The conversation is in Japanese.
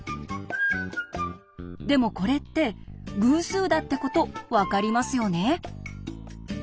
でもこれって偶数だってこと分かりますよね。